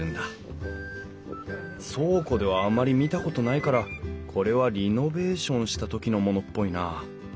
倉庫ではあまり見たことないからこれはリノベーションした時のものっぽいな。